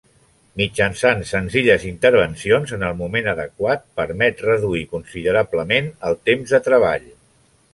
Mitjançant senzilles intervencions en el moment adequat, permet reduir considerablement el temps de treball.